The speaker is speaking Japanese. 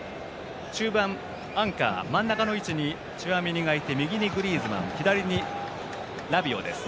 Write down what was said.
中盤、アンカー、真ん中の位置にチュアメニがいて右にグリーズマン左にラビオです。